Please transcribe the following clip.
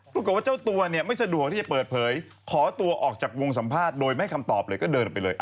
รู้ปกรณ์ว่าเจ้าตัวไม่สะดวกไปเปิดเผยขอตัวออกจากวงสัมภาษห์โดยไม่ให้คำตอบเลยก็เดินไปเลย